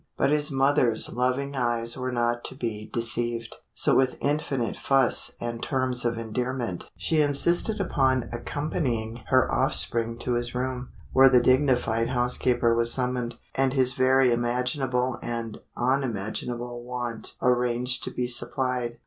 But his mother's loving eyes were not to be deceived. So with infinite fuss, and terms of endearment, she insisted upon accompanying her offspring to his room, where the dignified housekeeper was summoned, and his every imaginable and unimaginable want arranged to be supplied.